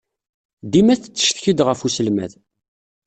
Dima tettcetki-d ɣef uselmad.